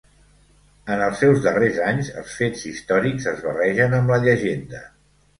En els seus darrers anys, els fets històrics es barregen amb la llegenda.